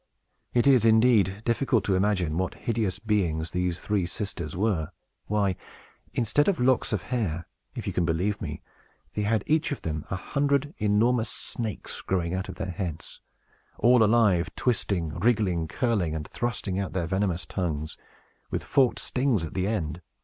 It is, indeed, difficult to imagine what hideous beings these three sisters were. Why, instead of locks of hair, if you can believe me, they had each of them a hundred enormous snakes growing on their heads, all alive, twisting, wriggling, curling, and thrusting out their venomous tongues, with forked stings at the end!